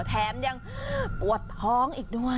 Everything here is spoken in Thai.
แถมยังปวดท้องอีกด้วย